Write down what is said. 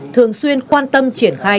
thường xuyên quan tâm triển khai